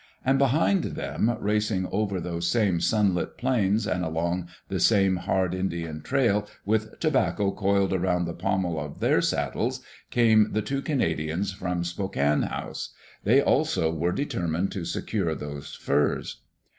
And behind them, racing over those same sunlit plains and along the same hard Indian trail, with tobacco coiled around the pommel of their sad dles, came the two Canadians from Spokane House. They also were determined to secure those furs.